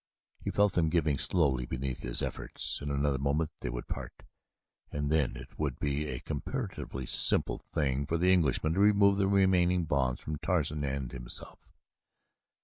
He felt them giving slowly beneath his efforts. In another moment they would part, and then it would be a comparatively simple thing for the Englishman to remove the remaining bonds from Tarzan and himself.